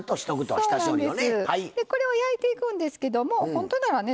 これを焼いていくんですけども本当ならね